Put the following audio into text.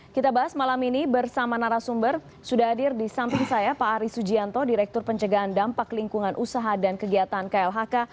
kita bahas malam ini bersama narasumber sudah hadir di samping saya pak ari sujianto direktur pencegahan dampak lingkungan usaha dan kegiatan klhk